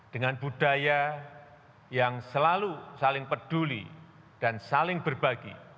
dengan budaya yang selalu saling peduli dan saling berbagi